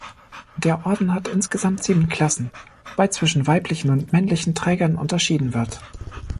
Der Orden hat insgesamt sieben Klassen, wobei zwischen weiblichen und männlichen Trägern unterschieden wird.